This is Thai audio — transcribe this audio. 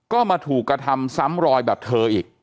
ก็มาถูกกระทำซ้ำรอยแบบเธออีก